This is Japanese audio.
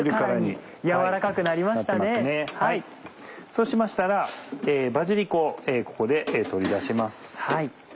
そうしましたらバジリコをここで取り出します。